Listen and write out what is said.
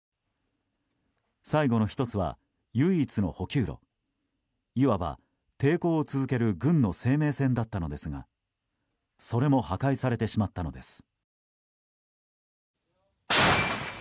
最後の１つは唯一の補給路いわば抵抗を続ける軍の生命線だったのですがそれも破壊されてしまったのです。